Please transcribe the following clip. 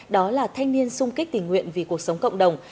đó là thanh niên sung kích tình nguyện vì cuộc sống cộng đồng